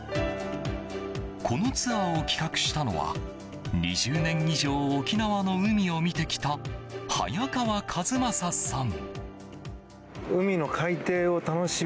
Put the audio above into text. このツアーを企画したのは２０年以上、沖縄の海を見てきた早川一正さん。